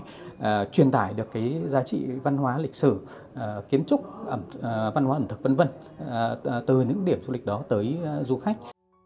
để truyền tải được giá trị văn hóa lịch sử kiến trúc văn hóa ẩn thực v v từ những điểm du lịch đó tới du khách